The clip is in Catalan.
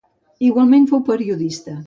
Igualment fou periodista.